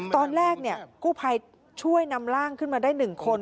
ตอนแรกกู้ภัยช่วยนำร่างขึ้นมาได้๑คน